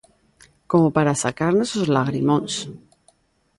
Como para sacarnos os lagrimóns.